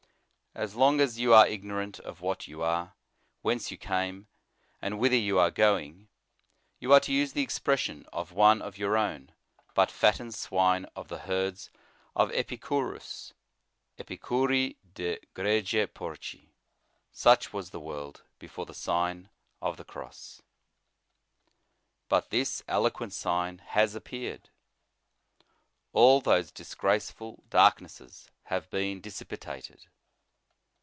As long as you are ignorant of what you are, whence you came, and whither you are going, you are, to use the expression of one of your own, but fattened swine of the herds of Epicurus, Epicuri de grege porci. Such was the world before the Sign of the Cross. But this eloquent Sign has appeared. All those disgraceful darknesses have been dissipated.